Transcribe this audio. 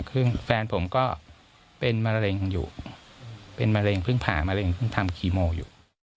คือแฟนผมก็เป็นมะเร็งอยู่เป็นมะเร็งเพิ่งผ่ามะเร็งเพิ่งทำคีโมอยู่